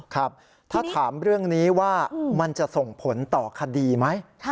ครับถ้าถามเรื่องนี้ว่ามันจะส่งผลต่อคดีไหม